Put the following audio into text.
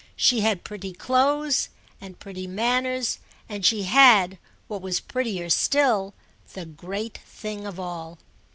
She had pretty clothes and pretty manners, and she had, what was prettier still, the great thing of all.